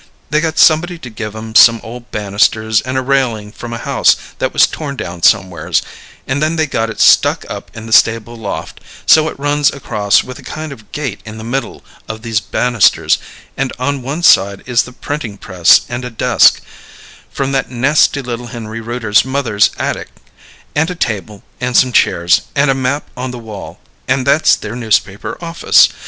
They got somebody to give 'em some ole banisters and a railing from a house that was torn down somewheres, and then they got it stuck up in the stable loft, so it runs across with a kind of a gate in the middle of these banisters, and on one side is the printing press and a desk from that nasty little Henry Rooter's mother's attic; and a table and some chairs, and a map on the wall; and that's their newspaper office.